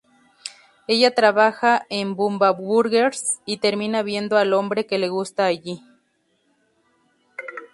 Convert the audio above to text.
Ella trabaja en "Bubba Burgers" y termina viendo al hombre que le gusta allí.